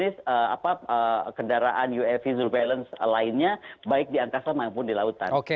di asas itu masih ada lagi jenis jenis kendaraan ulang visual surveillance lainnya yaitu di angkasa maupun di lautan